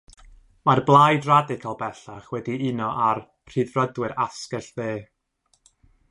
Mae'r Blaid Radical bellach wedi uno â'r Rhyddfrydwyr asgell-dde.